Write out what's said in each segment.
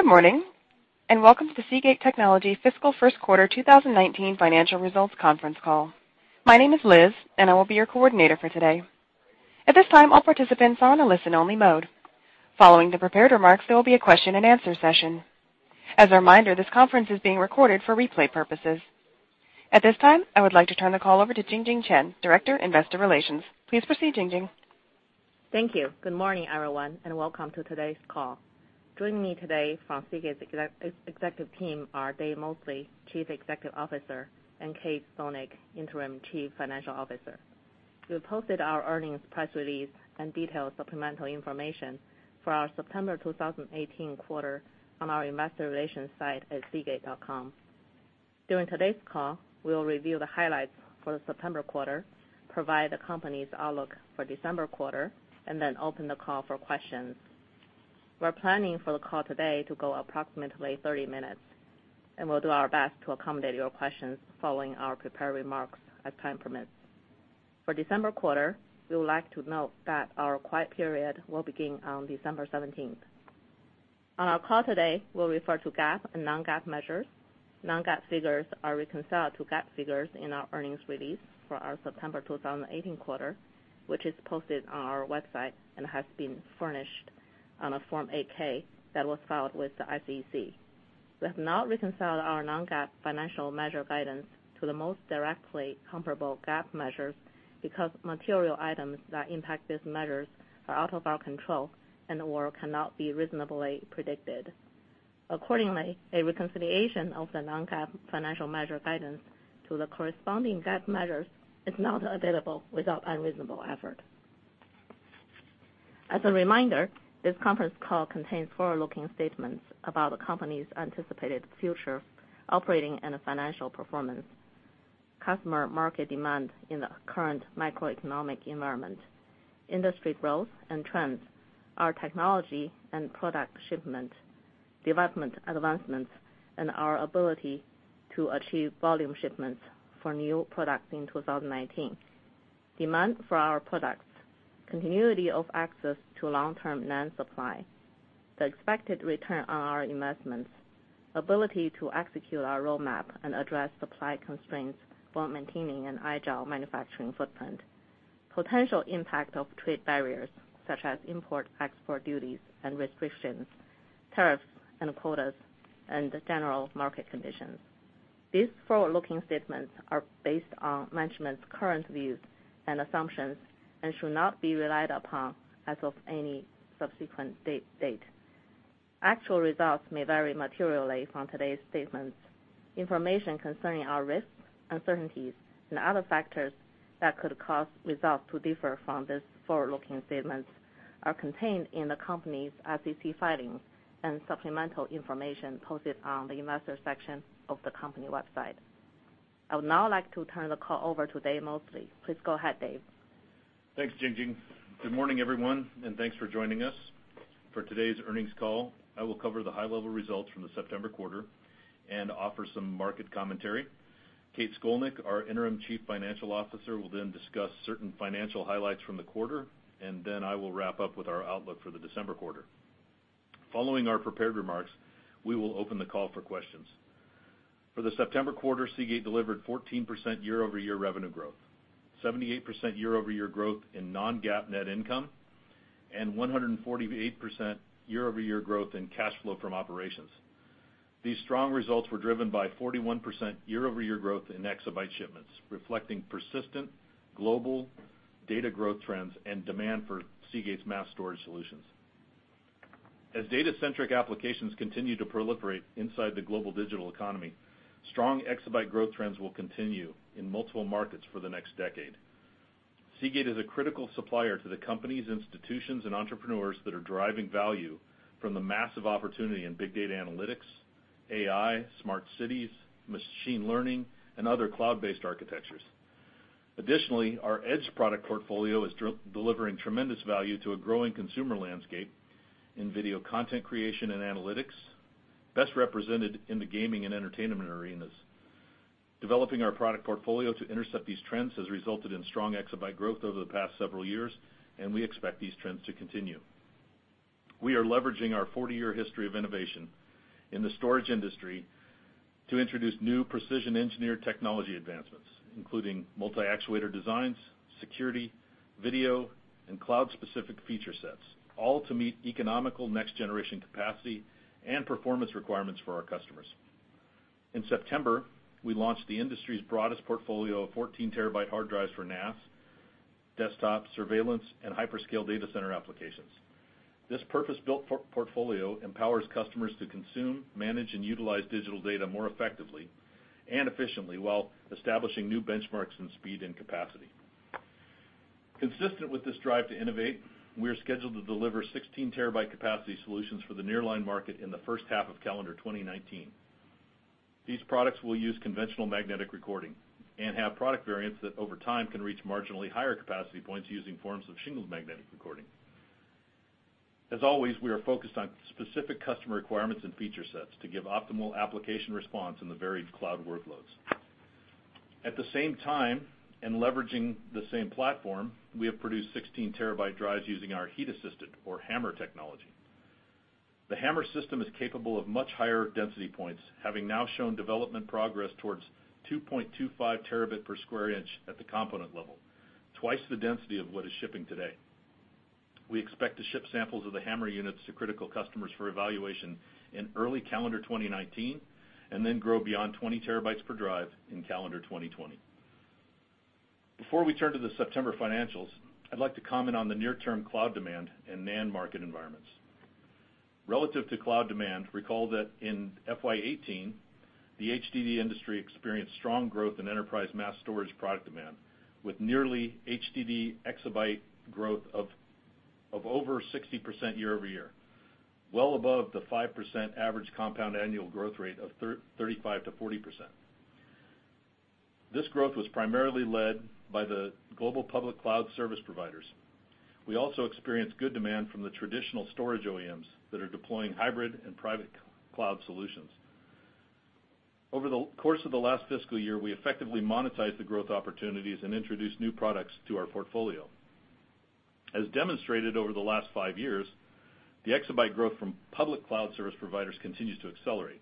Good morning, and welcome to Seagate Technology fiscal first quarter 2019 financial results conference call. My name is Liz, and I will be your coordinator for today. At this time, all participants are on a listen only mode. Following the prepared remarks, there will be a question and answer session. As a reminder, this conference is being recorded for replay purposes. At this time, I would like to turn the call over to Jingjing Chen, Director, Investor Relations. Please proceed, Jingjing. Thank you. Good morning, everyone, and welcome to today's call. Joining me today from Seagate's executive team are Dave Mosley, Chief Executive Officer, and Kathryn Scolnick, Interim Chief Financial Officer. We have posted our earnings press release and detailed supplemental information for our September 2018 quarter on our investor relations site at seagate.com. During today's call, we will review the highlights for the September quarter, provide the company's outlook for December quarter, and then open the call for questions. We're planning for the call today to go approximately 30 minutes, and we'll do our best to accommodate your questions following our prepared remarks as time permits. For December quarter, we would like to note that our quiet period will begin on December 17th. On our call today, we'll refer to GAAP and non-GAAP measures. Non-GAAP figures are reconciled to GAAP figures in our earnings release for our September 2018 quarter, which is posted on our website and has been furnished on a Form 8-K that was filed with the SEC. We have not reconciled our non-GAAP financial measure guidance to the most directly comparable GAAP measures because material items that impact these measures are out of our control and/or cannot be reasonably predicted. Accordingly, a reconciliation of the non-GAAP financial measure guidance to the corresponding GAAP measures is not available without unreasonable effort. As a reminder, this conference call contains forward-looking statements about the company's anticipated future operating and financial performance, customer market demand in the current macroeconomic environment, industry growth and trends, our technology and product shipment development advancements, and our ability to achieve volume shipments for new products in 2019, demand for our products, continuity of access to long-term NAND supply, the expected return on our investments, ability to execute our roadmap and address supply constraints while maintaining an agile manufacturing footprint, potential impact of trade barriers such as import/export duties and restrictions, tariffs and quotas, and the general market conditions. These forward-looking statements are based on management's current views and assumptions and should not be relied upon as of any subsequent date. Actual results may vary materially from today's statements. Information concerning our risks, uncertainties, and other factors that could cause results to differ from these forward-looking statements are contained in the company's SEC filings and supplemental information posted on the investor section of the company website. I would now like to turn the call over to Dave Mosley. Please go ahead, Dave. Thanks, Jingjing. Good morning, everyone, and thanks for joining us. For today's earnings call, I will cover the high-level results from the September quarter and offer some market commentary. Kate Scolnick, our Interim Chief Financial Officer, will then discuss certain financial highlights from the quarter, and then I will wrap up with our outlook for the December quarter. Following our prepared remarks, we will open the call for questions. For the September quarter, Seagate delivered 14% year-over-year revenue growth, 78% year-over-year growth in non-GAAP net income, and 148% year-over-year growth in cash flow from operations. These strong results were driven by 41% year-over-year growth in exabyte shipments, reflecting persistent global data growth trends and demand for Seagate's mass storage solutions. As data centric applications continue to proliferate inside the global digital economy, strong exabyte growth trends will continue in multiple markets for the next decade. Seagate is a critical supplier to the companies, institutions, and entrepreneurs that are deriving value from the massive opportunity in big data analytics, AI, smart cities, machine learning, and other cloud-based architectures. Additionally, our Edge product portfolio is delivering tremendous value to a growing consumer landscape in video content creation and analytics, best represented in the gaming and entertainment arenas. Developing our product portfolio to intercept these trends has resulted in strong exabyte growth over the past several years, and we expect these trends to continue. We are leveraging our 40-year history of innovation in the storage industry to introduce new precision engineered technology advancements, including multi-actuator designs, security, video, and cloud specific feature sets, all to meet economical next generation capacity and performance requirements for our customers. In September, we launched the industry's broadest portfolio of 14 terabyte hard drives for NAS, desktop, surveillance, and hyperscale data center applications. This purpose-built portfolio empowers customers to consume, manage, and utilize digital data more effectively and efficiently while establishing new benchmarks in speed and capacity. Consistent with this drive to innovate, we are scheduled to deliver 16 terabyte capacity solutions for the nearline market in the first half of calendar 2019. These products will use conventional magnetic recording and have product variants that over time can reach marginally higher capacity points using forms of shingled magnetic recording. As always, we are focused on specific customer requirements and feature sets to give optimal application response in the varied cloud workloads. At the same time, and leveraging the same platform, we have produced 16 terabyte drives using our heat-assisted or HAMR technology. The HAMR system is capable of much higher density points, having now shown development progress towards 2.25 terabit per square inch at the component level, twice the density of what is shipping today. We expect to ship samples of the HAMR units to critical customers for evaluation in early calendar 2019, and then grow beyond 20 terabytes per drive in calendar 2020. Before we turn to the September financials, I'd like to comment on the near-term cloud demand and NAND market environments. Relative to cloud demand, recall that in FY 2018, the HDD industry experienced strong growth in enterprise mass storage product demand, with nearly HDD exabyte growth of over 60% year-over-year, well above the five-year average compound annual growth rate of 35% to 40%. This growth was primarily led by the global public cloud service providers. We also experienced good demand from the traditional storage OEMs that are deploying hybrid and private cloud solutions. Over the course of the last fiscal year, we effectively monetized the growth opportunities and introduced new products to our portfolio. As demonstrated over the last five years, the exabyte growth from public cloud service providers continues to accelerate.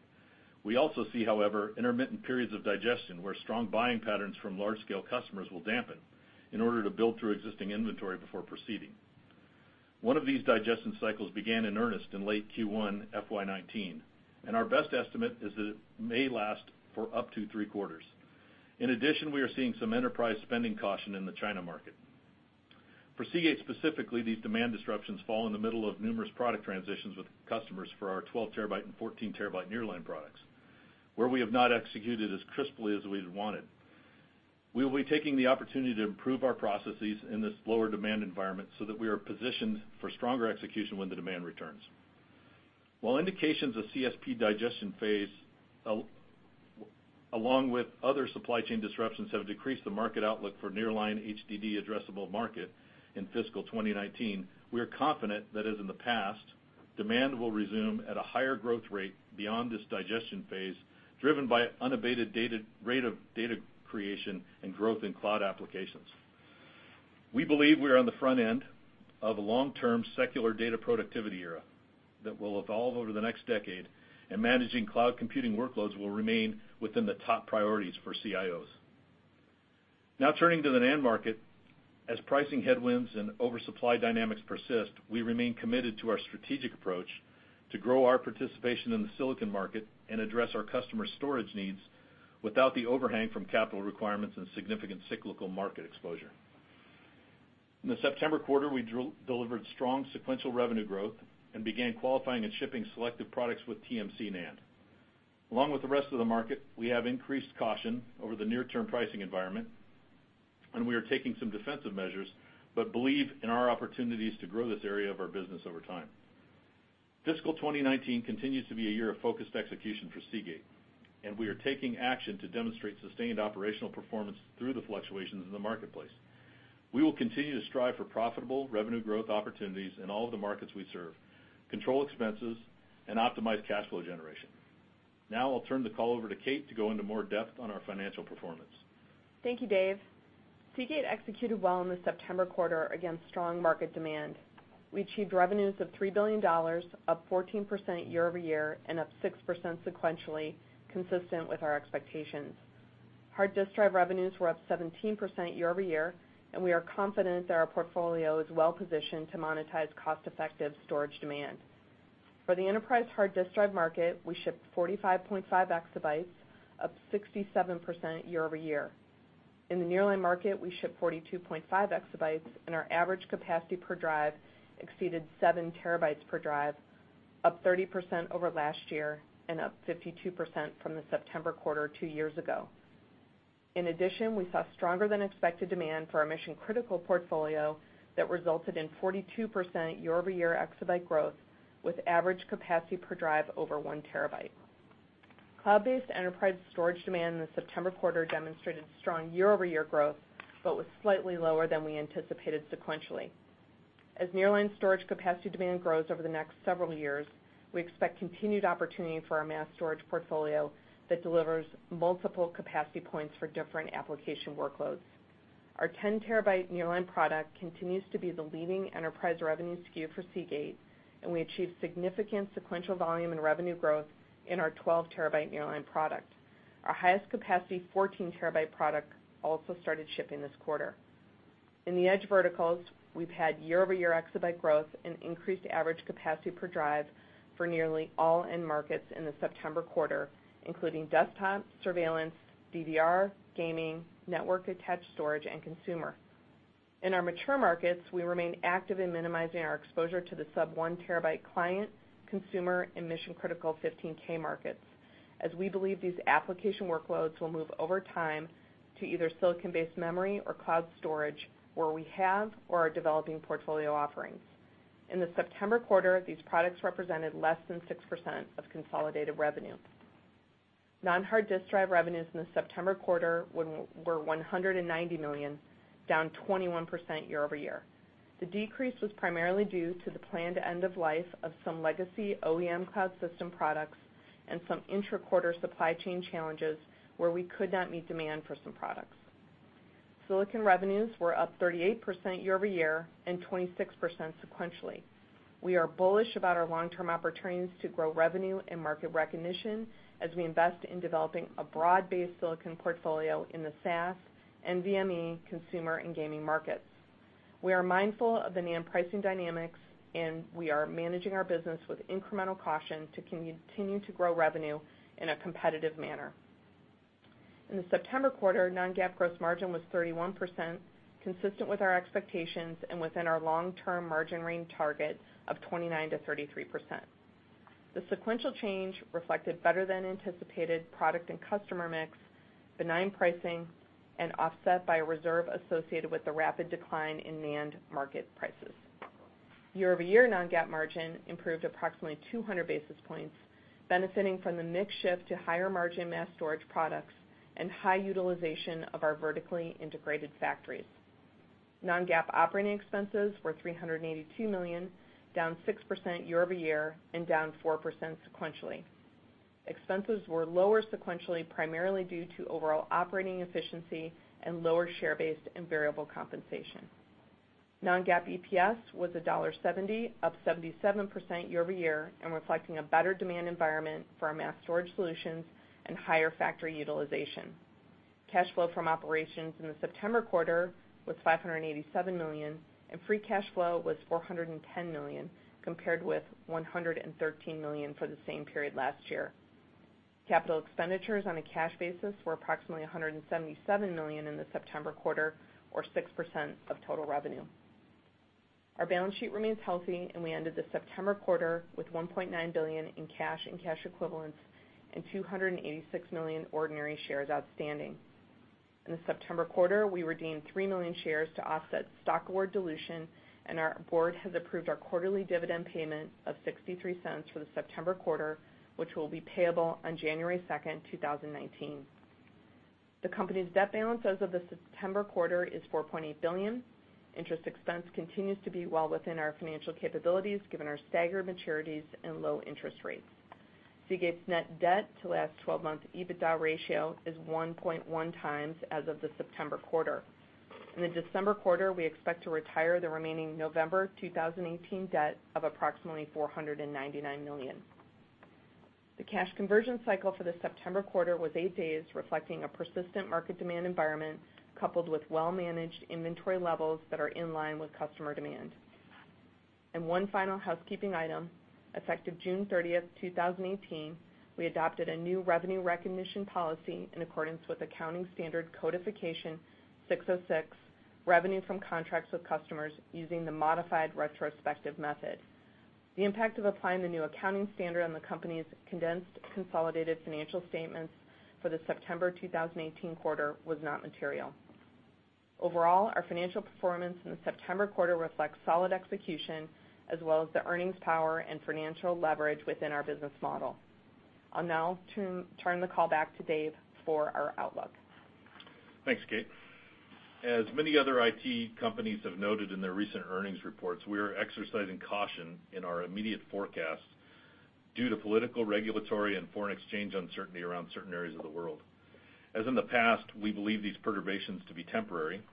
We also see, however, intermittent periods of digestion, where strong buying patterns from large-scale customers will dampen in order to build through existing inventory before proceeding. One of these digestion cycles began in earnest in late Q1 FY 2019, and our best estimate is that it may last for up to three quarters. In addition, we are seeing some enterprise spending caution in the China market. For Seagate specifically, these demand disruptions fall in the middle of numerous product transitions with customers for our 12 terabyte and 14 terabyte nearline products, where we have not executed as crisply as we'd wanted. We will be taking the opportunity to improve our processes in this lower demand environment so that we are positioned for stronger execution when the demand returns. While indications of CSP digestion phase, along with other supply chain disruptions, have decreased the market outlook for nearline HDD addressable market in fiscal 2019, we are confident that as in the past, demand will resume at a higher growth rate beyond this digestion phase, driven by unabated rate of data creation and growth in cloud applications. We believe we are on the front end of a long-term secular data productivity era that will evolve over the next decade. Managing cloud computing workloads will remain within the top priorities for CIOs. Now turning to the NAND market. As pricing headwinds and oversupply dynamics persist, we remain committed to our strategic approach to grow our participation in the silicon market and address our customers' storage needs without the overhang from capital requirements and significant cyclical market exposure. In the September quarter, we delivered strong sequential revenue growth and began qualifying and shipping selective products with TMC NAND. Along with the rest of the market, we have increased caution over the near-term pricing environment, and we are taking some defensive measures but believe in our opportunities to grow this area of our business over time. Fiscal 2019 continues to be a year of focused execution for Seagate, and we are taking action to demonstrate sustained operational performance through the fluctuations in the marketplace. We will continue to strive for profitable revenue growth opportunities in all of the markets we serve, control expenses, and optimize cash flow generation. Now I'll turn the call over to Kate to go into more depth on our financial performance. Thank you, Dave. Seagate executed well in the September quarter against strong market demand. We achieved revenues of $3 billion, up 14% year-over-year, and up 6% sequentially, consistent with our expectations. Hard disk drive revenues were up 17% year-over-year, and we are confident that our portfolio is well positioned to monetize cost-effective storage demand. For the enterprise hard disk drive market, we shipped 45.5 exabytes, up 67% year-over-year. In the nearline market, we shipped 42.5 exabytes, and our average capacity per drive exceeded 7 terabytes per drive, up 30% over last year, and up 52% from the September quarter two years ago. In addition, we saw stronger than expected demand for our mission-critical portfolio that resulted in 42% year-over-year exabyte growth, with average capacity per drive over 1 terabyte. Cloud-based enterprise storage demand in the September quarter demonstrated strong year-over-year growth, but was slightly lower than we anticipated sequentially. As nearline storage capacity demand grows over the next several years, we expect continued opportunity for our mass storage portfolio that delivers multiple capacity points for different application workloads. Our 10 terabyte nearline product continues to be the leading enterprise revenue SKU for Seagate, and we achieved significant sequential volume and revenue growth in our 12 terabyte nearline product. Our highest capacity 14 terabyte product also started shipping this quarter. In the Edge verticals, we've had year-over-year exabyte growth and increased average capacity per drive for nearly all end markets in the September quarter, including desktop, surveillance, DVR, gaming, network attached storage, and consumer. In our mature markets, we remain active in minimizing our exposure to the sub-1 terabyte client, consumer, and mission-critical 15K markets, as we believe these application workloads will move over time to either silicon-based memory or cloud storage, where we have or are developing portfolio offerings. In the September quarter, these products represented less than 6% of consolidated revenue. Non-hard disk drive revenues in the September quarter were $190 million, down 21% year-over-year. The decrease was primarily due to the planned end of life of some legacy OEM cloud system products and some intra-quarter supply chain challenges where we could not meet demand for some products. Silicon revenues were up 38% year-over-year and 26% sequentially. We are bullish about our long-term opportunities to grow revenue and market recognition as we invest in developing a broad-based silicon portfolio in the SAS and NVMe consumer and gaming markets. We are mindful of the NAND pricing dynamics, and we are managing our business with incremental caution to continue to grow revenue in a competitive manner. In the September quarter, non-GAAP gross margin was 31%, consistent with our expectations and within our long-term margin range target of 29%-33%. The sequential change reflected better-than-anticipated product and customer mix, benign pricing, offset by a reserve associated with the rapid decline in NAND market prices. Year-over-year non-GAAP margin improved approximately 200 basis points, benefiting from the mix shift to higher-margin mass storage products and high utilization of our vertically integrated factories. Non-GAAP operating expenses were $382 million, down 6% year-over-year and down 4% sequentially. Expenses were lower sequentially, primarily due to overall operating efficiency and lower share-based and variable compensation. Non-GAAP EPS was $1.70, up 77% year-over-year, reflecting a better demand environment for our mass storage solutions and higher factory utilization. Cash flow from operations in the September quarter was $587 million, and free cash flow was $410 million, compared with $113 million for the same period last year. Capital expenditures on a cash basis were approximately $177 million in the September quarter, or 6% of total revenue. Our balance sheet remains healthy, and we ended the September quarter with $1.9 billion in cash and cash equivalents and 286 million ordinary shares outstanding. In the September quarter, we redeemed 3 million shares to offset stock award dilution, and our board has approved our quarterly dividend payment of $0.63 for the September quarter, which will be payable on January 2nd, 2019. The company's debt balance as of the September quarter is $4.8 billion. Interest expense continues to be well within our financial capabilities, given our staggered maturities and low interest rates. Seagate's net debt to last 12-month EBITDA ratio is 1.1 times as of the September quarter. In the December quarter, we expect to retire the remaining November 2018 debt of approximately $499 million. The cash conversion cycle for the September quarter was eight days, reflecting a persistent market demand environment coupled with well-managed inventory levels that are in line with customer demand. One final housekeeping item. Effective June 30th, 2018, we adopted a new revenue recognition policy in accordance with Accounting Standards Codification 606, revenue from contracts with customers using the modified retrospective method. The impact of applying the new accounting standard on the company's condensed consolidated financial statements for the September 2018 quarter was not material. Overall, our financial performance in the September quarter reflects solid execution, as well as the earnings power and financial leverage within our business model. I'll now turn the call back to Dave for our outlook. Thanks, Kate. As many other IT companies have noted in their recent earnings reports, we are exercising caution in our immediate forecasts due to political, regulatory, and foreign exchange uncertainty around certain areas of the world. As in the past, we believe these perturbations to be temporary, and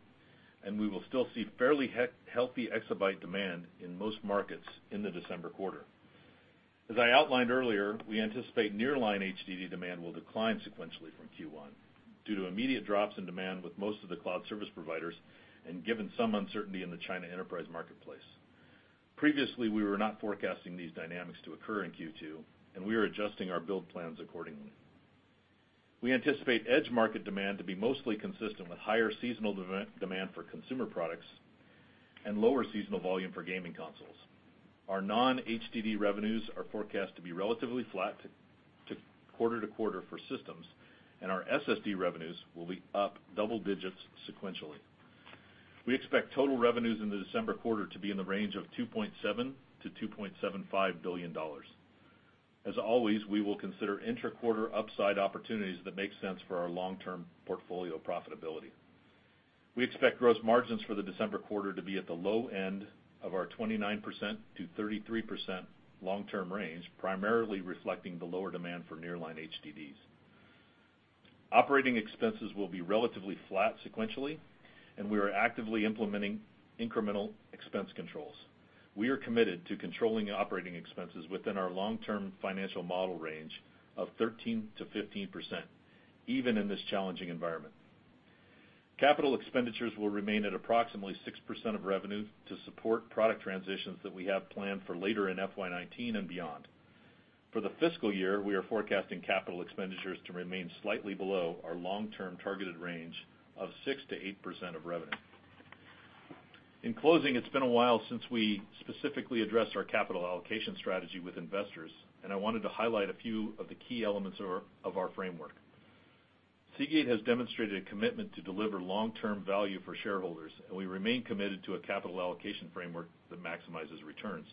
we will still see fairly healthy exabyte demand in most markets in the December quarter. As I outlined earlier, we anticipate nearline HDD demand will decline sequentially from Q1 due to immediate drops in demand with most of the cloud service providers and given some uncertainty in the China enterprise marketplace. Previously, we were not forecasting these dynamics to occur in Q2, and we are adjusting our build plans accordingly. We anticipate edge market demand to be mostly consistent with higher seasonal demand for consumer products and lower seasonal volume for gaming consoles. Our non-HDD revenues are forecast to be relatively flat quarter-to-quarter for systems, and our SSD revenues will be up double digits sequentially. We expect total revenues in the December quarter to be in the range of $2.7 billion-$2.75 billion. As always, we will consider intra-quarter upside opportunities that make sense for our long-term portfolio profitability. We expect gross margins for the December quarter to be at the low end of our 29%-33% long-term range, primarily reflecting the lower demand for nearline HDDs. Operating expenses will be relatively flat sequentially, and we are actively implementing incremental expense controls. We are committed to controlling operating expenses within our long-term financial model range of 13%-15%, even in this challenging environment. Capital expenditures will remain at approximately 6% of revenue to support product transitions that we have planned for later in FY 2019 and beyond. For the fiscal year, we are forecasting capital expenditures to remain slightly below our long-term targeted range of 6%-8% of revenue. In closing, it has been a while since we specifically addressed our capital allocation strategy with investors. I wanted to highlight a few of the key elements of our framework. Seagate has demonstrated a commitment to deliver long-term value for shareholders, and we remain committed to a capital allocation framework that maximizes returns.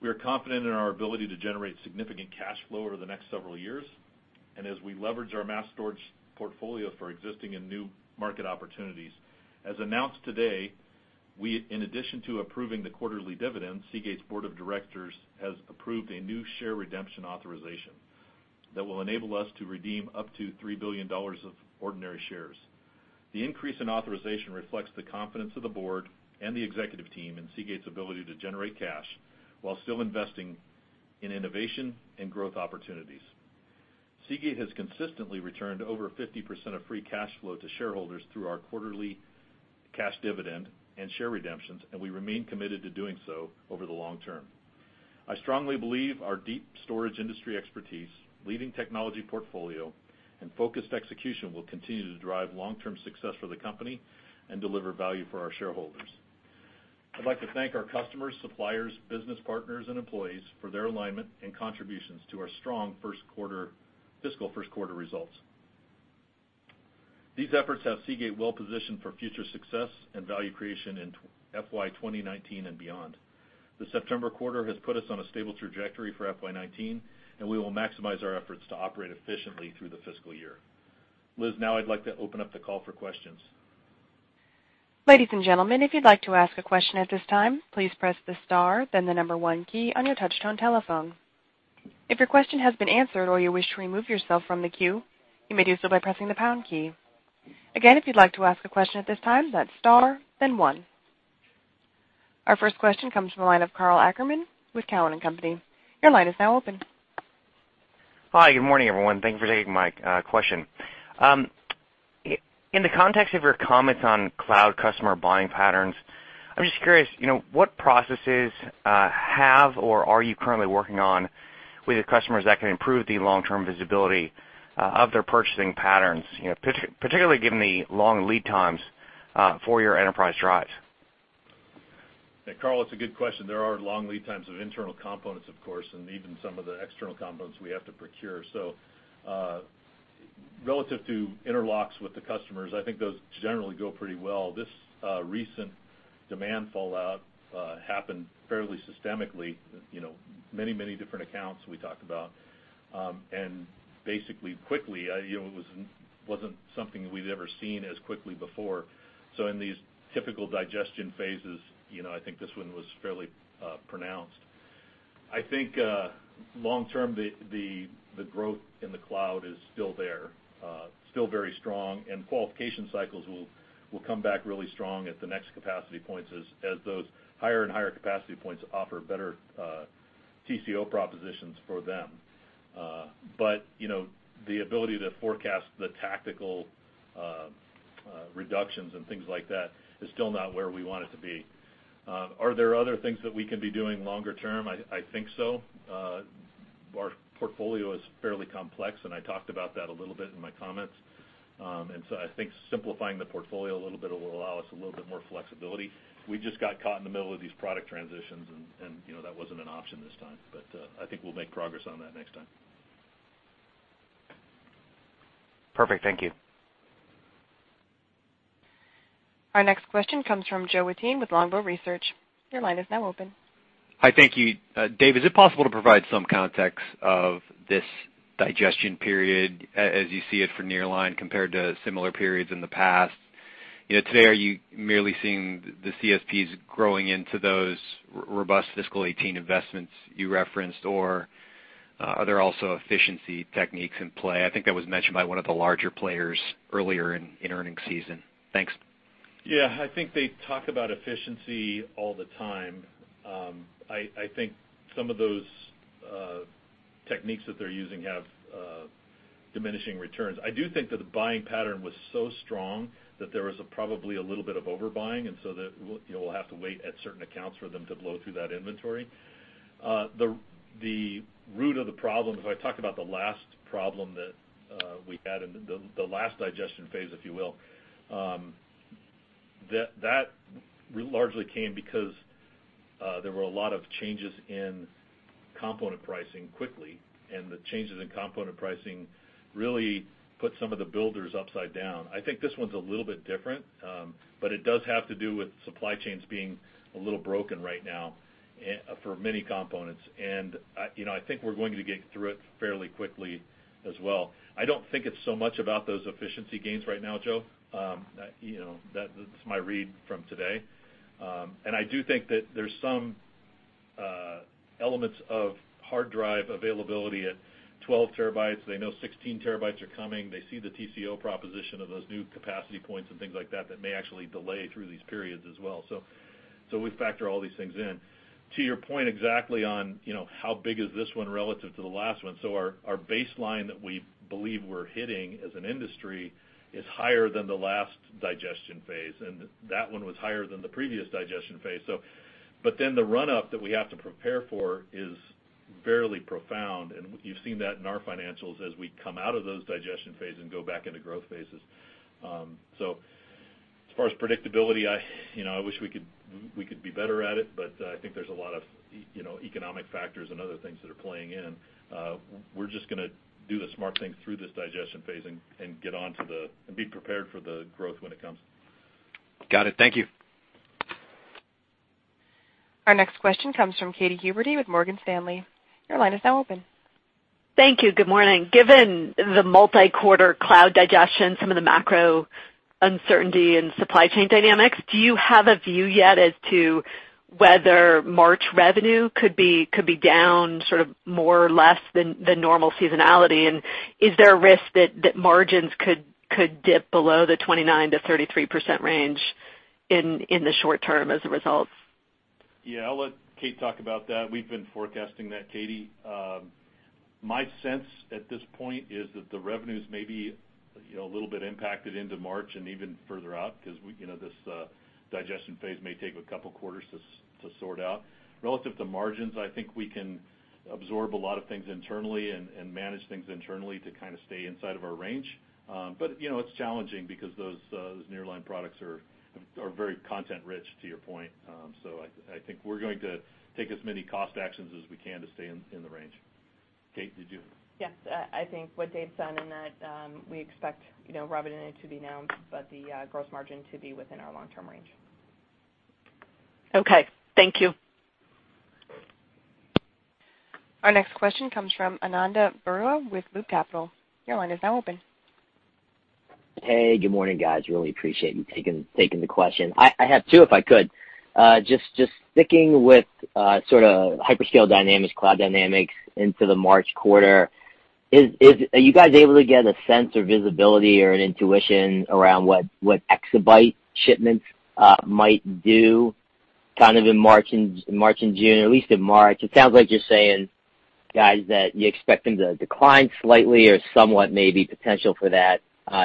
We are confident in our ability to generate significant cash flow over the next several years, as we leverage our mass storage portfolio for existing and new market opportunities. As announced today, in addition to approving the quarterly dividend, Seagate's Board of Directors has approved a new share redemption authorization that will enable us to redeem up to $3 billion of ordinary shares. The increase in authorization reflects the confidence of the Board and the Executive Team in Seagate's ability to generate cash while still investing in innovation and growth opportunities. Seagate has consistently returned over 50% of free cash flow to shareholders through our quarterly cash dividend and share redemptions, and we remain committed to doing so over the long term. I strongly believe our deep storage industry expertise, leading technology portfolio, and focused execution will continue to drive long-term success for the company and deliver value for our shareholders. I'd like to thank our customers, suppliers, business partners, and employees for their alignment and contributions to our strong fiscal first quarter results. These efforts have Seagate well-positioned for future success and value creation in FY 2019 and beyond. The September quarter has put us on a stable trajectory for FY 2019. We will maximize our efforts to operate efficiently through the fiscal year. Liz, I'd like to open up the call for questions. Ladies and gentlemen, if you'd like to ask a question at this time, please press the star then the number one key on your touch-tone telephone. If your question has been answered or you wish to remove yourself from the queue, you may do so by pressing the pound key. Again, if you'd like to ask a question at this time, that's star, then one. Our first question comes from the line of Karl Ackerman with Cowen and Company. Your line is now open. Hi, good morning, everyone. Thank you for taking my question. In the context of your comments on cloud customer buying patterns, I'm just curious, what processes have or are you currently working on with your customers that can improve the long-term visibility of their purchasing patterns, particularly given the long lead times for your enterprise drives? Karl, it's a good question. There are long lead times of internal components, of course, and even some of the external components we have to procure. Relative to interlocks with the customers, I think those generally go pretty well. This recent demand fallout happened fairly systemically. Many different accounts we talked about. Basically quickly, it wasn't something that we've ever seen as quickly before. In these typical digestion phases, I think this one was fairly pronounced. I think long term, the growth in the cloud is still there, still very strong, and qualification cycles will come back really strong at the next capacity points as those higher and higher capacity points offer better TCO propositions for them. The ability to forecast the tactical reductions and things like that is still not where we want it to be. Are there other things that we can be doing longer term? I think so. Our portfolio is fairly complex, and I talked about that a little bit in my comments. I think simplifying the portfolio a little bit will allow us a little bit more flexibility. We just got caught in the middle of these product transitions, and that wasn't an option this time, but I think we'll make progress on that next time. Perfect. Thank you. Our next question comes from Joe Wittine with Longbow Research. Your line is now open. Hi, thank you. Dave, is it possible to provide some context of this digestion period as you see it for nearline compared to similar periods in the past? Today, are you merely seeing the CSPs growing into those robust FY 2018 investments you referenced, or are there also efficiency techniques in play? I think that was mentioned by one of the larger players earlier in earnings season. Thanks. Yeah. I think they talk about efficiency all the time. I think some of those techniques that they're using have diminishing returns. I do think that the buying pattern was so strong that there was probably a little bit of overbuying, and so we'll have to wait at certain accounts for them to blow through that inventory. The root of the problem, if I talk about the last problem that we had and the last digestion phase, if you will, that largely came because there were a lot of changes in component pricing quickly, and the changes in component pricing really put some of the builders upside down. I think this one's a little bit different, but it does have to do with supply chains being a little broken right now for many components. I think we're going to get through it fairly quickly as well. I don't think it's so much about those efficiency gains right now, Joe. That's my read from today. I do think that there's some elements of hard drive availability at 12 terabytes. They know 16 terabytes are coming. They see the TCO proposition of those new capacity points and things like that that may actually delay through these periods as well. We factor all these things in. To your point exactly on how big is this one relative to the last one, Our baseline that we believe we're hitting as an industry is higher than the last digestion phase, and that one was higher than the previous digestion phase. The run-up that we have to prepare for is fairly profound, and you've seen that in our financials as we come out of those digestion phases and go back into growth phases. As far as predictability, I wish we could be better at it, but I think there's a lot of economic factors and other things that are playing in. We're just going to do the smart thing through this digestion phase and be prepared for the growth when it comes. Got it. Thank you. Our next question comes from Katy Huberty with Morgan Stanley. Your line is now open. Thank you. Good morning. Given the multi-quarter cloud digestion, some of the macro uncertainty and supply chain dynamics, do you have a view yet as to whether March revenue could be down more or less than normal seasonality? Is there a risk that margins could dip below the 29%-33% range in the short term as a result? Yeah. I'll let Kate talk about that. We've been forecasting that, Katy. My sense at this point is that the revenues may be a little bit impacted into March and even further out because this digestion phase may take a couple of quarters to sort out. Relative to margins, I think we can absorb a lot of things internally and manage things internally to stay inside of our range. It's challenging because those nearline products are very content rich, to your point. I think we're going to take as many cost actions as we can to stay in the range. Kate, did you- Yes. I think what Dave said in that we expect revenue to be down, the gross margin to be within our long-term range. Okay. Thank you. Our next question comes from Ananda Baruah with Loop Capital. Your line is now open. Hey, good morning, guys. Really appreciate you taking the question. I have two, if I could. Just sticking with sort of hyperscale dynamics, cloud dynamics into the March quarter, are you guys able to get a sense of visibility or an intuition around what exabyte shipments might do in March and June, or at least in March? It sounds like you're saying, guys, that you expect them to decline slightly or somewhat, maybe potential for that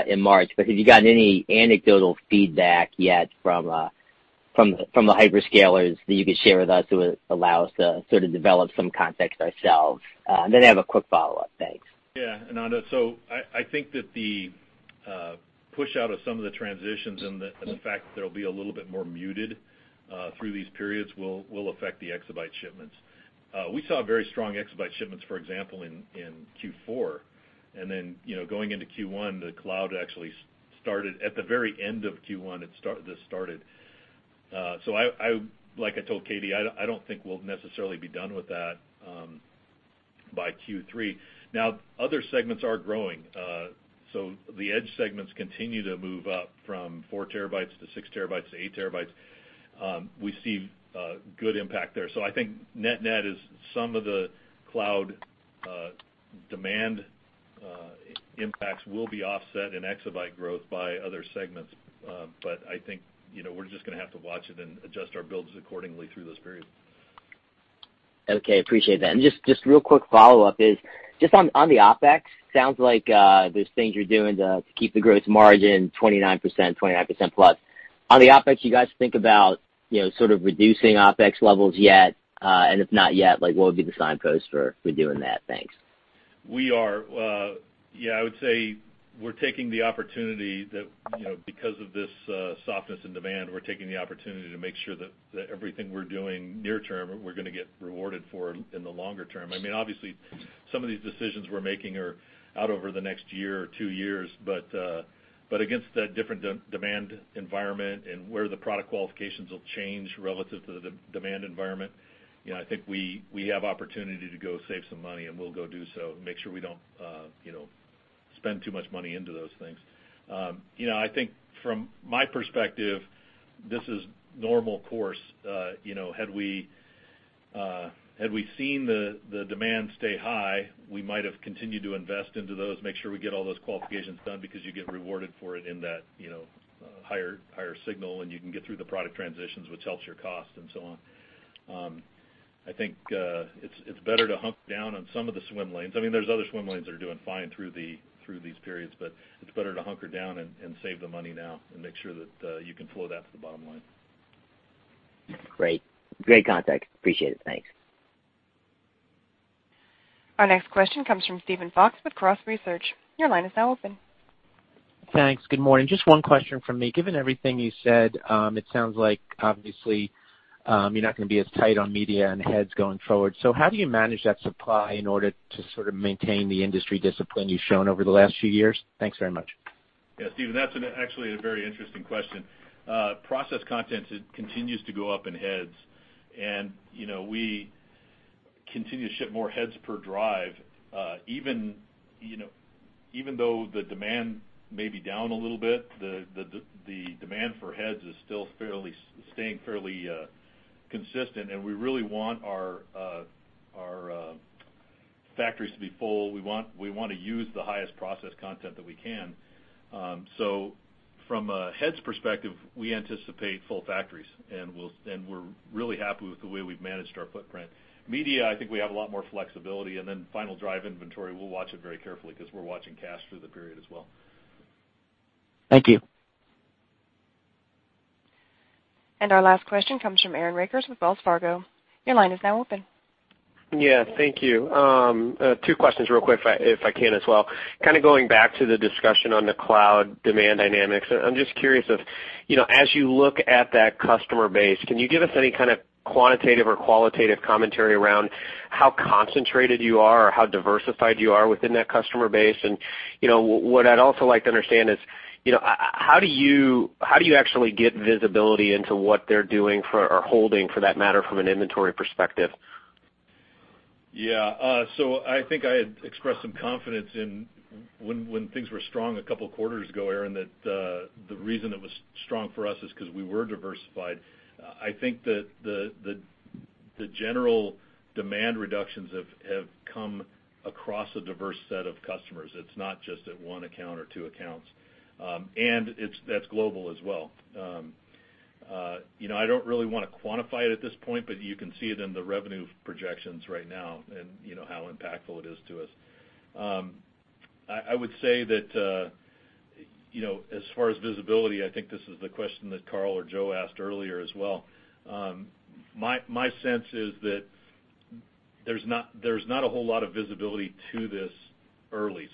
in March. Have you gotten any anecdotal feedback yet from the hyperscalers that you could share with us to allow us to sort of develop some context ourselves? I have a quick follow-up. Thanks. Yeah, Ananda. I think that the push out of some of the transitions and the fact that they'll be a little bit more muted through these periods will affect the exabyte shipments. We saw very strong exabyte shipments, for example, in Q4, and then going into Q1, the cloud actually started at the very end of Q1, this started. Like I told Katie, I don't think we'll necessarily be done with that by Q3. Now, other segments are growing. The edge segments continue to move up from four terabytes to six terabytes to eight terabytes. We see good impact there. I think net net is some of the cloud demand impacts will be offset in exabyte growth by other segments. I think we're just going to have to watch it and adjust our builds accordingly through those periods. Okay. Appreciate that. Just real quick follow-up is just on the OpEx, sounds like there's things you're doing to keep the gross margin 29%, 29%-plus. On the OpEx, you guys think about sort of reducing OpEx levels yet? If not yet, what would be the signpost for doing that? Thanks. Yeah, I would say that because of this softness in demand, we're taking the opportunity to make sure that everything we're doing near term, we're going to get rewarded for in the longer term. Obviously, some of these decisions we're making are out over the next year or two years, but against that different demand environment and where the product qualifications will change relative to the demand environment, I think we have opportunity to go save some money and we'll go do so and make sure we don't spend too much money into those things. I think from my perspective, this is normal course. Had we seen the demand stay high, we might have continued to invest into those, make sure we get all those qualifications done because you get rewarded for it in that higher signal, and you can get through the product transitions, which helps your cost and so on. I think it's better to hunker down on some of the swim lanes. There's other swim lanes that are doing fine through these periods, but it's better to hunker down and save the money now and make sure that you can flow that to the bottom line. Great context. Appreciate it. Thanks. Our next question comes from Steven Fox with Cross Research. Your line is now open. Thanks. Good morning. Just one question from me. Given everything you said, it sounds like obviously you're not going to be as tight on media and heads going forward. How do you manage that supply in order to sort of maintain the industry discipline you've shown over the last few years? Thanks very much. Yeah, Steven, that's actually a very interesting question. Process content continues to go up in heads, and we continue to ship more heads per drive. Even though the demand may be down a little bit, the demand for heads is still staying fairly consistent, and we really want our factories to be full. We want to use the highest process content that we can. From a heads perspective, we anticipate full factories, and we're really happy with the way we've managed our footprint. Media, I think we have a lot more flexibility, then final drive inventory, we'll watch it very carefully because we're watching cash through the period as well. Thank you. Our last question comes from Aaron Rakers with Wells Fargo. Your line is now open. Yeah, thank you. Two questions real quick, if I can as well. Kind of going back to the discussion on the cloud demand dynamics, I'm just curious if as you look at that customer base, can you give us any kind of quantitative or qualitative commentary around how concentrated you are or how diversified you are within that customer base? What I'd also like to understand is how do you actually get visibility into what they're doing for, or holding for that matter, from an inventory perspective? Yeah. I think I had expressed some confidence in when things were strong a couple quarters ago, Aaron, that the reason it was strong for us is because we were diversified. I think that the general demand reductions have come across a diverse set of customers. It's not just at one account or two accounts. That's global as well. I don't really want to quantify it at this point, but you can see it in the revenue projections right now and you know how impactful it is to us. I would say that, as far as visibility, I think this is the question that Karl or Joe asked earlier as well. My sense is that there's not a whole lot of visibility to this early.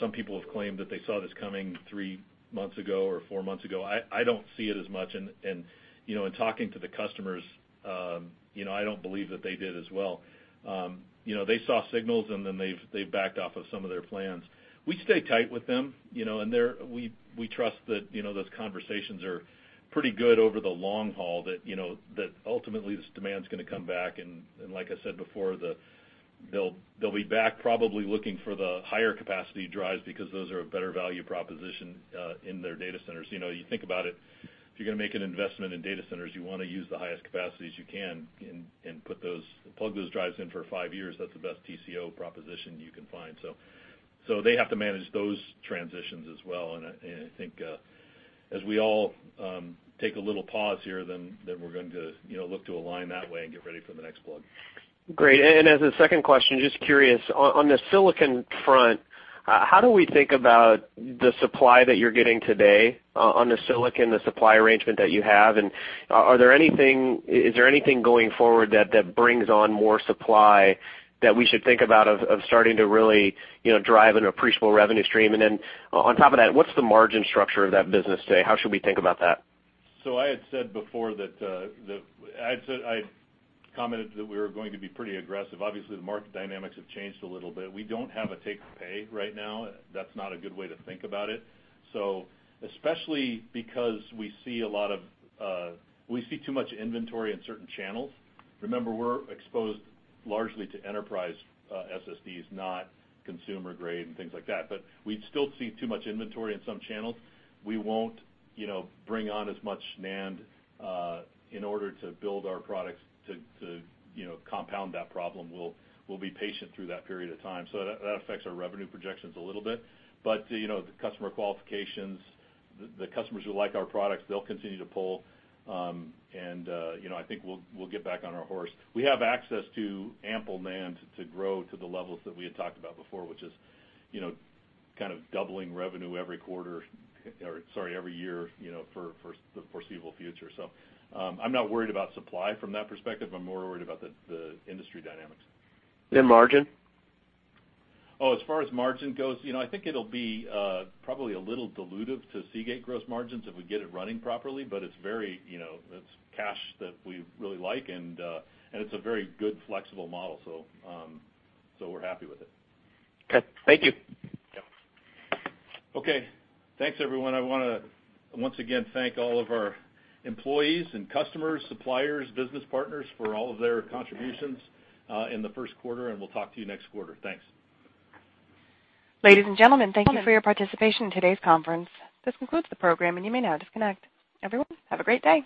Some people have claimed that they saw this coming three months ago or four months ago. I don't see it as much. In talking to the customers, I don't believe that they did as well. They saw signals, and then they've backed off of some of their plans. We stay tight with them, and we trust that those conversations are pretty good over the long haul, that ultimately this demand's going to come back, and like I said before, they'll be back probably looking for the higher capacity drives because those are a better value proposition in their data centers. You think about it, if you're going to make an investment in data centers, you want to use the highest capacities you can and plug those drives in for five years. That's the best TCO proposition you can find. They have to manage those transitions as well. I think as we all take a little pause here, we're going to look to align that way and get ready for the next plug. Great. As a second question, just curious, on the silicon front, how do we think about the supply that you're getting today on the silicon, the supply arrangement that you have, and is there anything going forward that brings on more supply that we should think about of starting to really drive an appreciable revenue stream? On top of that, what's the margin structure of that business today? How should we think about that? I had said before that I commented that we were going to be pretty aggressive. Obviously, the market dynamics have changed a little bit. We don't have a take pay right now. That's not a good way to think about it. Especially because we see too much inventory in certain channels. Remember, we're exposed largely to enterprise SSDs, not consumer-grade and things like that. We still see too much inventory in some channels. We won't bring on as much NAND in order to build our products to compound that problem. We'll be patient through that period of time. That affects our revenue projections a little bit. The customer qualifications, the customers who like our products, they'll continue to pull. I think we'll get back on our horse. We have access to ample NAND to grow to the levels that we had talked about before, which is kind of doubling revenue every quarter, or sorry, every year, for the foreseeable future. I'm not worried about supply from that perspective. I'm more worried about the industry dynamics. Margin? As far as margin goes, I think it'll be probably a little dilutive to Seagate gross margins if we get it running properly, but it's cash that we really like, and it's a very good, flexible model. We're happy with it. Okay. Thank you. Yep. Okay, thanks everyone. I want to once again thank all of our employees and customers, suppliers, business partners for all of their contributions in the first quarter. We'll talk to you next quarter. Thanks. Ladies and gentlemen, thank you for your participation in today's conference. This concludes the program. You may now disconnect. Everyone, have a great day.